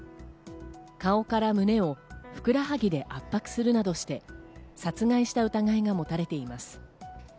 顔から胸をふくらはぎで圧迫するなどして殺害した疑いが持たれています。